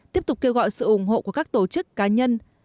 tiếp tục kêu gọi sự ủng hộ của các tổ chức cá nhân